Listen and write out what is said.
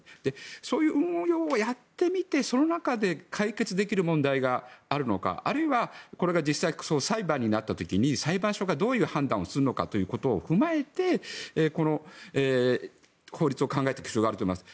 そういう運用をやってみてその中で解決できる問題があるのかあるいは、これが実際に裁判になった時に裁判所がどういう判断をするのかということを踏まえてこの法律を考えていく必要があると思います。